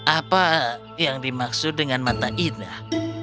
apa yang dimaksud dengan mata indah